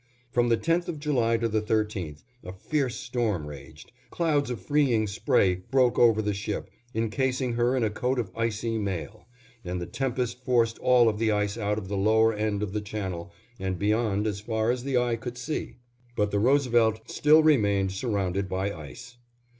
From the 10th of July to the 13th, a fierce storm raged, clouds of freeing spray broke over the ship, incasing her in a coat of icy mail, and the tempest forced all of the ice out of the lower end of the channel and beyond as far as the eye could see, but the Roosevelt still remained surrounded by ice.